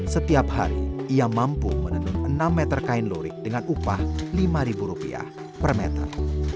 setiap hari ia mampu menenun enam meter kain lurik dengan upah rp lima per meter